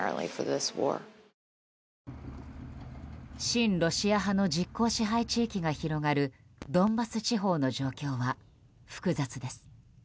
親ロシア派の実効支配地域が広がるドンバス地方の状況は複雑です。